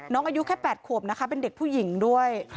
อายุแค่๘ขวบนะคะเป็นเด็กผู้หญิงด้วย